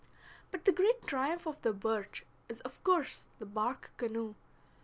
But the great triumph of the birch is of course the bark canoe.